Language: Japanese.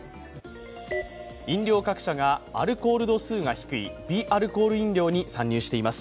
飲料各社がアルコール度数が低い微アルコールに参入しています。